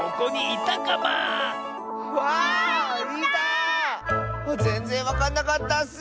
あっぜんぜんわかんなかったッス。